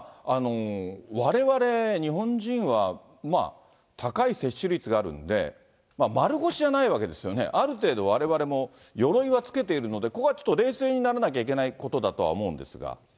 われわれ日本人は、高い接種率があるんで、丸腰じゃないわけですよね、ある程度、われわれもよろいはつけているので、ここはちょっと冷静にならなきゃいけないことだとは思うんですが。